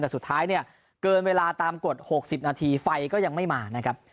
แต่สุดท้ายเนี่ยเกินเวลาตามกฎ๖๐นาทีไฟก็ยังไม่มานะครับ